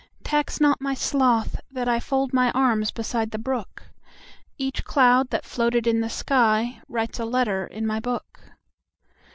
Tax not my sloth that IFold my arms beside the brook; Each cloud that floated in the skyWrites a letter in my book.